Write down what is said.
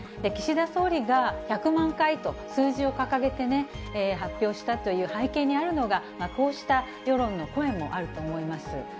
岸田総理が１００万回と、数字を掲げてね、発表したという背景にあるのが、こうした世論の声もあると思います。